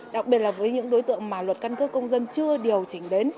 đặc biệt là với những đối tượng mà luật căn cước công dân chưa điều chỉnh đến